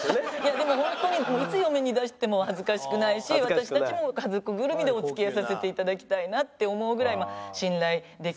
でもホントにいつ嫁に出しても恥ずかしくないし私たちも家族ぐるみでお付き合いさせて頂きたいなって思うぐらい信頼できる方で。